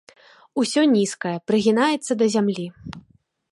Усё нізкае, прыгінаецца да зямлі.